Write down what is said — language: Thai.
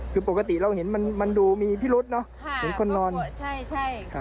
คือปกติเราเห็นมันมันดูมีพิรุษเนอะค่ะเห็นคนนอนใช่ใช่ครับ